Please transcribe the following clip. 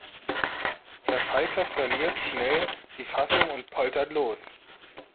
Herr Pfeiffer verliert schnell die Fassung und poltert los.